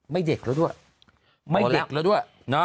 เด็กแล้วด้วยไม่เด็กแล้วด้วย